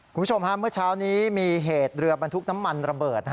คุณผู้ชมฮะเมื่อเช้านี้มีเหตุเรือบรรทุกน้ำมันระเบิด